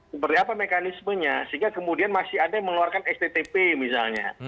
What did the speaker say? seperti apa mekanismenya sehingga kemudian masih ada yang mengeluarkan sttp misalnya